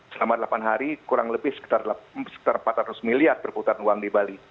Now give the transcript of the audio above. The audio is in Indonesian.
selama delapan hari kurang lebih sekitar empat ratus miliar perputaran uang di bali